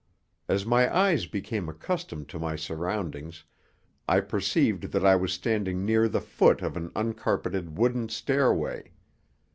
As my eyes became accustomed to my surroundings I perceived that I was standing near the foot of an uncarpeted wooden stairway.